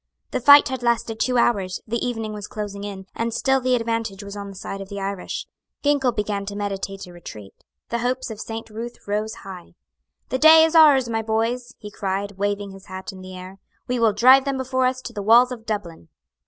The fight had lasted two hours; the evening was closing in; and still the advantage was on the side of the Irish. Ginkell began to meditate a retreat. The hopes of Saint Ruth rose high. "The day is ours, my boys," he cried, waving his hat in the air. "We will drive them before us to the walls of Dublin."